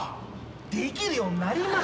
できるようになりますから。